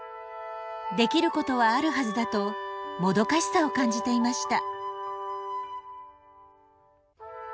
できることはあるはずだともどかしさを感じていました。